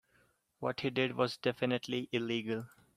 What he did was definitively illegal.